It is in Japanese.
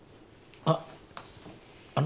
あっあの。